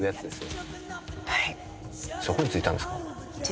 そこに着いたんですか？